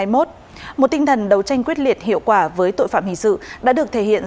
một tinh thần đấu tranh quyết liệt hiệu quả với tội phạm hình sự đã được thể hiện